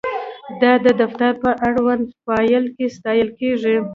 دا د دفتر په اړونده فایل کې ساتل کیږي.